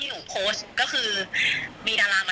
ที่โพสต์ก็คือเพื่อต้องการจะเตือนเพื่อนผู้หญิงในเฟซบุ๊คเท่านั้นค่ะ